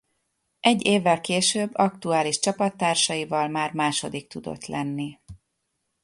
Egy évvel később aktuális csapattársaival már második tudott lenni.